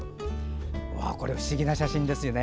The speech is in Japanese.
これ、不思議な写真ですね。